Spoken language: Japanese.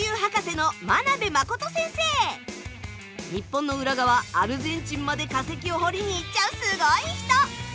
日本の裏側アルゼンチンまで化石を掘りに行っちゃうすごい人。